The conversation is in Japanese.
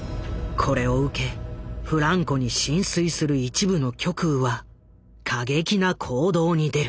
これを受けフランコに心酔する一部の極右は過激な行動に出る。